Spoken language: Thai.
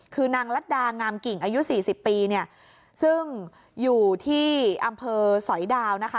คือนางรัฐดางามกิ่งอายุสี่สิบปีเนี่ยซึ่งอยู่ที่อำเภอสอยดาวนะคะ